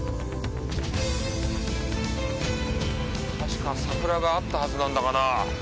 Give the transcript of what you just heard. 確か桜があったはずなんだがなぁ。